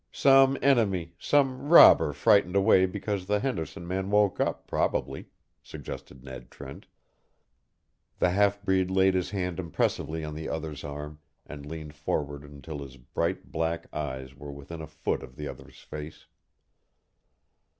"Some enemy, some robber frightened away because the Henderson man woke up, probably," suggested Ned Trent. The half breed laid his hand impressively on the other's arm and leaned forward until his bright black eyes were within a foot of the other's face.